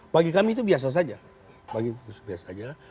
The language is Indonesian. bagi kami itu biasa saja